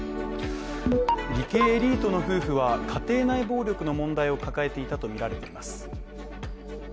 理系エリートの夫婦は家庭内暴力の問題を抱えていたとみられています。